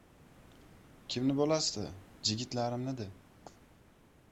— Kimni bo‘lasdi — jigitlarimni-da.